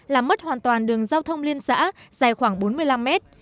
làm mất hoàn toàn đường giao thông liên xã dài khoảng bốn mươi năm mét